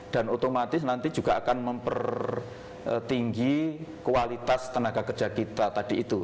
dan otomatis nanti juga akan mempertinggi kualitas tenaga kerja kita tadi itu